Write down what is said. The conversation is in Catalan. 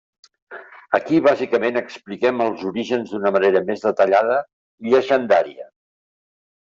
Aquí bàsicament expliquem els orígens d'una manera més detallada i llegendària.